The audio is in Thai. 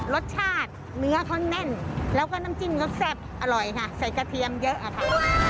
รสชาติเนื้อเขาแน่นแล้วก็น้ำจิ้มเขาแซ่บอร่อยค่ะใส่กระเทียมเยอะอะค่ะ